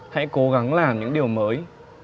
hãy cố gắng làm những điều mới